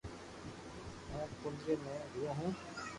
ھون ڪنري مي ريون هون